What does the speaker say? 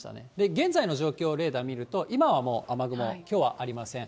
現在の状況、レーダーで見ると、今はもう雨雲、きょうはありません。